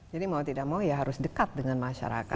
jadi mau tidak mau ya harus dekat dengan masyarakat